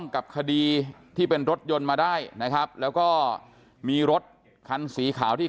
กับคดีที่เป็นรถยนต์มาได้นะครับแล้วก็มีรถคันสีขาวที่